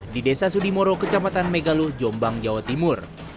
di desa sudimoro kecamatan megalu jombang jawa timur